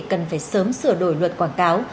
cần phải sớm sửa đổi luật quảng cáo